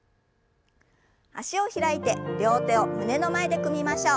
脚を開いて両手を胸の前で組みましょう。